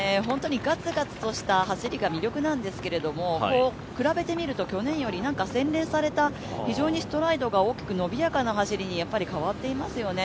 ガツガツとした走りが魅力なんですけれども、比べてみると去年よりも洗練されたストライドが大きく伸びやかな走りに変わっていますよね。